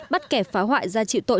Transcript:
bắt kẻ phá hoại gia trị tội chức